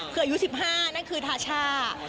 คืออายุ๑๕นั่นคือทาช่า